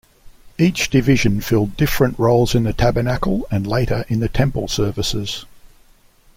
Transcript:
Each division filled different roles in the Tabernacle and later in the Temple services.